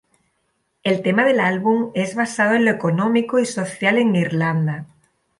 El tema del álbum es basado en lo económico y social en Irlanda.